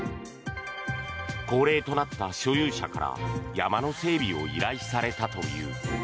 高齢となった所有者から山の整備を依頼されたという。